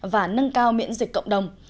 và nâng cao miễn dịch cộng đồng